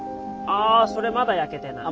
あそれまだ焼けてない。